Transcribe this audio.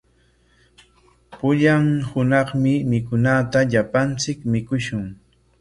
Pullan hunaqmi mikunata llapanchik mikushun.